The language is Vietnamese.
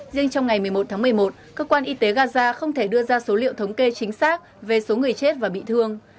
riêng trong ngày một mươi một tháng một mươi một cơ quan y tế gaza không thể đưa ra số liệu thống kê chính xác về số người chết và bị thương